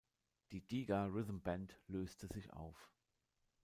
Die Diga Rhythm Band löste sich auf.